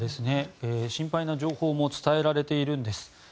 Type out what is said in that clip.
心配な情報も伝えられているんです。